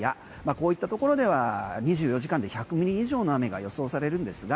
こういったところでは２４時間で１００ミリ以上の雨が予想されるんですが